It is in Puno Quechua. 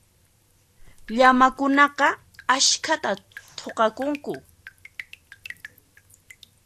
Llamakunaqa askhata thuqakunku.